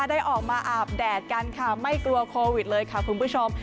ได้ออกมาอาบแดดกันค่ะไม่กลัวโควิดเลยค่ะคุณผู้ชม